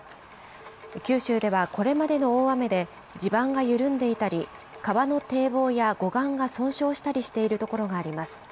九州では、これまでの大雨で、地盤が緩んでいたり、川の堤防や護岸が損傷していたりする所があります。